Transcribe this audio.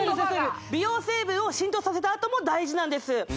美容成分を浸透させたあとも大事なんです